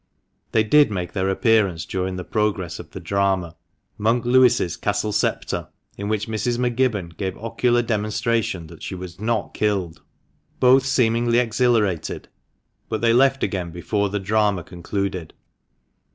They did make their appearance during the progress of the drama (Monk Lewis's "Castle Spectre," in which Mrs. M'Gibbon gave ocular demonstration that she was not killed), both seemingly exhilarated, but they left again before the drama concluded.